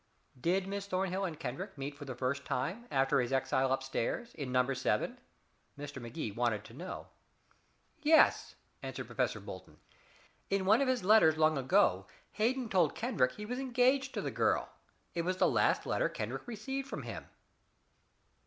"Did Miss Thornhill and Kendrick meet for the first time, after his exile, up stairs in number seven?" Mr. Magee wanted to know. "Yes," answered Professor Bolton. "In one of his letters long ago Hayden told Kendrick he was engaged to the girl. It was the last letter Kendrick received from him."